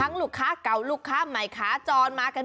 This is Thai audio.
ส่วนเมนูที่ว่าคืออะไรติดตามในช่วงตลอดกิน